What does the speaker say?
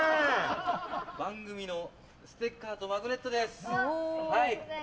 番組のステッカーとマグネットです。